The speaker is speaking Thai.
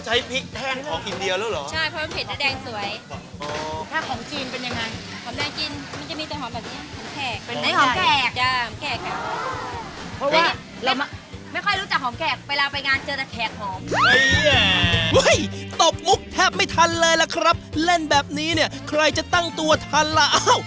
จบมุกแทบไม่ทันเลยแหละครับเล่นแบบนี้ใครจะตั้งตัวทันล่ะ